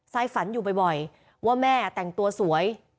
ฝันอยู่บ่อยว่าแม่แต่งตัวสวย